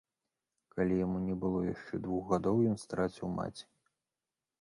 Калі яму не было яшчэ двух гадоў, ён страціў маці.